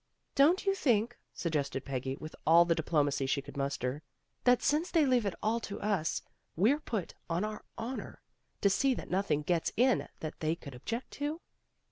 " Don't you think," suggested Peggy with all the diplomacy she could muster, "that since they leave it all to us, we're put on our honor to see that nothing gets in that they could object to?"